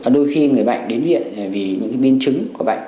đôi khi người bệnh đến viện vì những biến chứng của bệnh